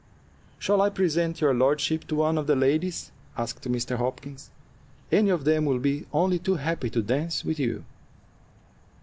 "Shall I present your lordship to one of the ladies?" asked Mr. Hopkins. "Any of them will be only too happy to dance with you."